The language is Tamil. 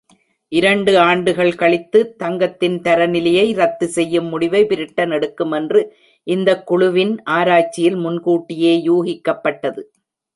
இரண்டு ஆண்டுகள் கழித்து தங்கத்தின் தரநிலையை ரத்து செய்யும் முடிவை பிரிட்டன் எடுக்கும் என்று இந்தக் குழுவின் ஆராய்ச்சியில் முன்கூட்டியே யூகிக்கப்பட்டது.